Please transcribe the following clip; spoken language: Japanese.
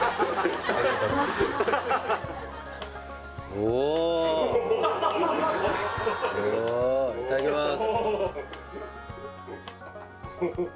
おっおっいただきます